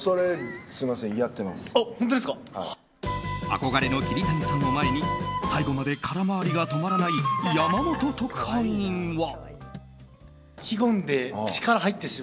憧れの桐谷さんを前に最後まで空回りが止まらない山本特派員は。